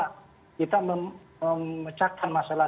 kita memecahkan masalah